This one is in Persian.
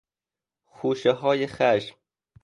خوشههای خشم